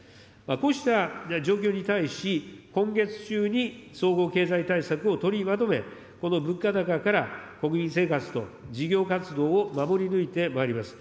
こうした状況に対し、今月中に総合経済対策を取りまとめ、この物価高から国民生活と事業活動を守り抜いてまいります。